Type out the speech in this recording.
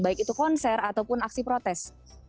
baik itu konser ataupun aksi protes